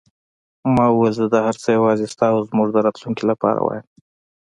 ما وویل: زه دا هر څه یوازې ستا او زموږ د راتلونکې لپاره وایم.